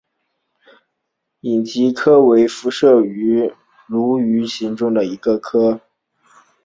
隐棘鳚科为辐鳍鱼纲鲈形目的其中一个科。